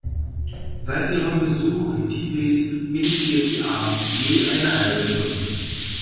Seit ihrem Besuch in Tibet meditiert sie abends je eine halbe Stunde.